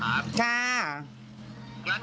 ค่ะเลขอะไรคะ